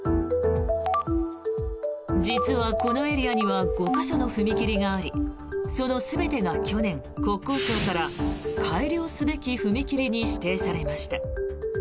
実はこのエリアには５か所の踏切がありその全てが去年、国交省から改良すべき踏切に指定されました。